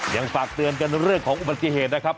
ยังฝากเตือนกันเรื่องของอุบัติเหตุนะครับ